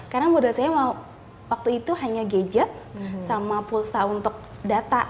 karena modal saya waktu itu hanya gadget sama pulsa untuk data